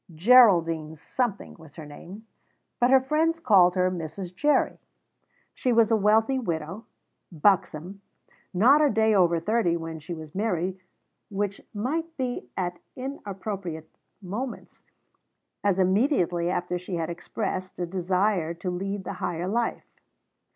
Geraldine Something was her name, but her friends called her Mrs. Jerry. She was a wealthy widow, buxom, not a day over thirty when she was merry, which might be at inappropriate moments, as immediately after she had expressed a desire to lead the higher life.